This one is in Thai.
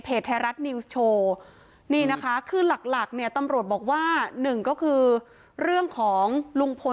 เพจแถวแนวเนี้ยโชว์นี้นะคะคือหลักเนี่ยตำรวจบอกว่า๑ก็คือเรื่องของลุงพล